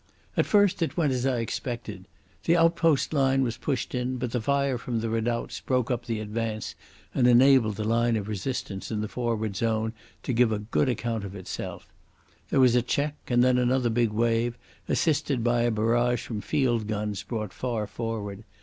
At first it went as I expected. The outpost line was pushed in, but the fire from the redoubts broke up the advance, and enabled the line of resistance in the forward zone to give a good account of itself. There was a check, and then another big wave, assisted by a barrage from field guns brought far forward.